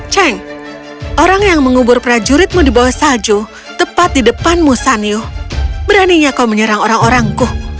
ceng orang yang mengubur prajuritmu di bawah salju tepat di depanmu sanyu beraninya kau menyerang orang orangku